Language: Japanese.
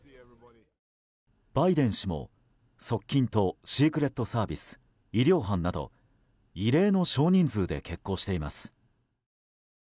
バイデン氏も側近とシークレットサービス医療班など異例の少人数で決行しています。